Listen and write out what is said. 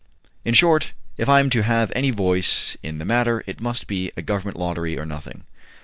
In short, if I am to have any voice in the matter, it must be a Government lottery or nothing."